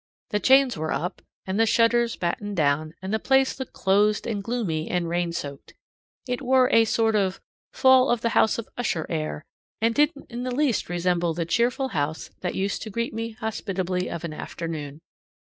The chains were up, and the shutters battened down, and the place looked closed and gloomy and rain soaked. It wore a sort of fall of the House of Usher air, and didn't in the least resemble the cheerful house that used to greet me hospitably of an afternoon.